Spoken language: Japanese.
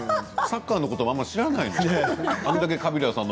サッカーのこともあまり知らないもん。